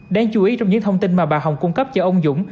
đáng chú ý trong những thông tin mà bà hồng cung cấp cho ông dũng